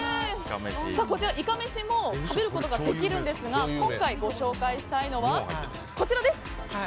こちら、いかめしも食べることができるんですが今回、ご紹介したいのはこちらです！